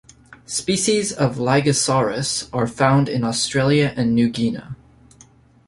Species of "Lygisaurus" are found in Australia and New Guinea.